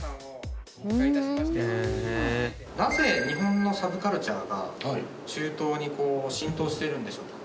なぜ日本のサブカルチャーが中東にこう浸透しているんでしょうか？